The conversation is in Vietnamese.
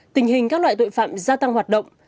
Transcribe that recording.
tình hình các loại tội phạm gia tăng hoạt động